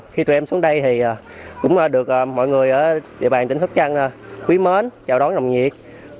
khi tụi em xuống đây thì cũng được mọi người ở địa bàn tỉnh sóc trăng quý mến chào đón nồng nhiệt